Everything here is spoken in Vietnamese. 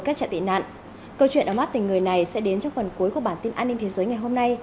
câu chuyện ấm áp tình người này sẽ đến trong phần cuối của bản tin an ninh thế giới ngày hôm nay